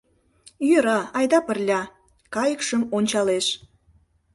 — Йӧра, айда пырля, — кайыкшым ончалеш.